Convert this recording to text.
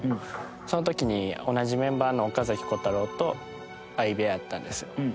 その時に同じメンバーの岡彪太郎と相部屋やったんですよ。